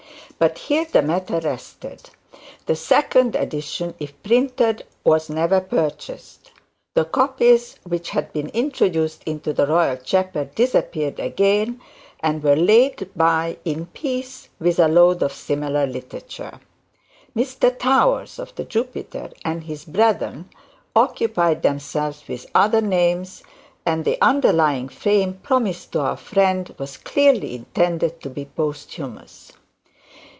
But here the matter rested. The second edition, if printed, was never purchased; the copies which had been introduced into the Royal Chapel disappeared again, and were laid by in peace, with a load of similar literature. Mr Towers, of the Jupiter, and his brethren occupied themselves with other names, and the underlying fame promised to our friend was clearly intended to be posthumous.